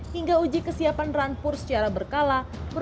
hingga uji kesiapan rampur secara berkala